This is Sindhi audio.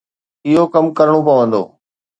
اهو ڪم ڪرڻو پوندو.